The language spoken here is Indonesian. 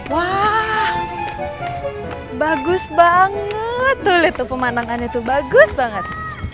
wah bagus banget tuh liat tuh pemandangannya tuh bagus banget